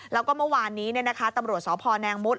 แล้วก็เมื่อวานนี้นะคะตำรวจสพแนนมุษย์